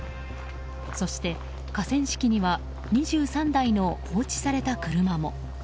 そして河川敷には２３台の放置された車も。